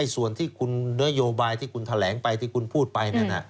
ส่วนที่คุณนโยบายที่คุณแถลงไปที่คุณพูดไปนั่น